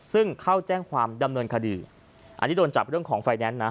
ซึ่งเข้าแจ้งความดำเนินคดีอันนี้โดนจับเรื่องของไฟแนนซ์นะ